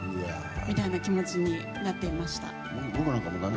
みたいな気持ちになってました。